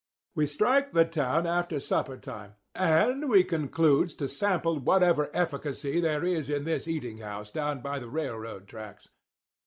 "We strikes the town after supper time, and we concludes to sample whatever efficacy there is in this eating house down by the railroad tracks.